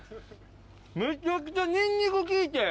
めちゃくちゃニンニク効いて。